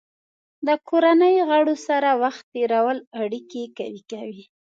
د کورنۍ غړو سره وخت تېرول اړیکې قوي کوي.